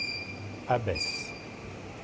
Abbesse